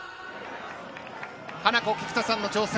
ハナコ菊田さんの挑戦。